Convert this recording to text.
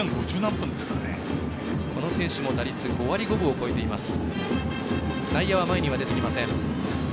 この選手も打率５割５分を超えています。